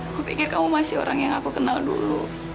aku pikir kamu masih orang yang aku kenal dulu